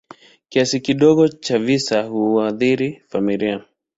Kiasi kidogo cha visa huathiri familia.